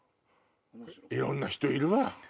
いろんな人いるわ。